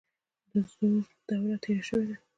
د زور دوره تیره شوې ده.